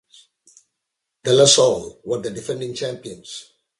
De La Salle were the defending champions.